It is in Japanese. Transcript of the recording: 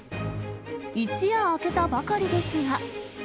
一夜明けたばかりですが。